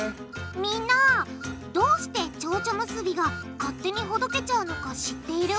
みんなどうしてちょうちょ結びが勝手にほどけちゃうのか知っている？